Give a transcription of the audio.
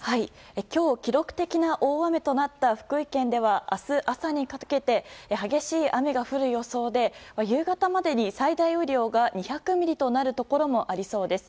今日、記録的な大雨となった福井県では明日朝にかけて激しい雨が降る予想で夕方までに最大雨量が２００ミリとなるところもありそうです。